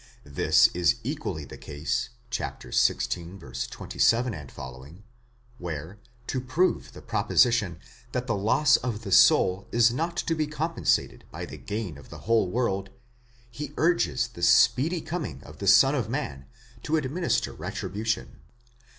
This is equally the case, xvi. 27 f., where, to prove the proposition that the loss of the soul is not to be compensated by the gain of the whole world, he urges the speedy coming of the Son of Man, to administer retribu tion.